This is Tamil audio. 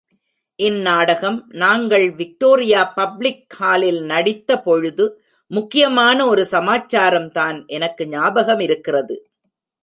இந் நாடகம் நாங்கள் விக்டோரியா பப்ளிக் ஹாலில் நடித்த பொழுது, முக்கியமான ஒரு சமாச்சாரம்தான் எனக்கு ஞாபகமிருக்கிறது.